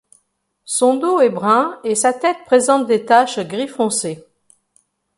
Son dos est brun et sa tête présente des taches gris foncé.